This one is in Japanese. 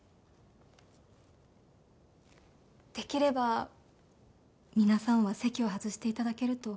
できれば皆さんは席を外して頂けると。